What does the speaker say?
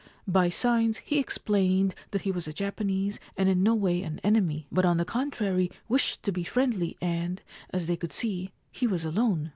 By signs he explained that he was a Japanese and in no way an enemy, but on the contrary wished to be friendly, and, as they could see, he was alone.